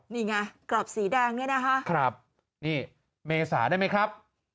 นี่ไงกรอบสีแดงเนี่ยนะคะครับนี่เมษาได้ไหมครับ